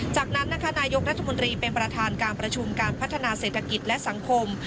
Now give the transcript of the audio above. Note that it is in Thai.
จากนั้นนะคะนายกรัฐมนตรีเป็นประธานการประชุมการพัฒนาเศรษฐกิจและสังคม